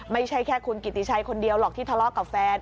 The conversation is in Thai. ไม่ใช่แค่คุณกิติชัยคนเดียวหรอกที่ทะเลาะกับแฟน